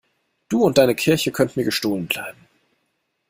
Du und deine Kirche könnt mir gestohlen bleiben.